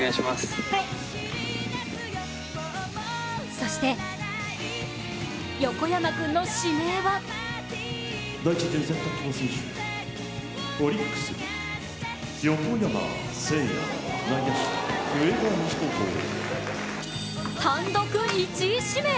そして、横山君の指名は単独１位指名！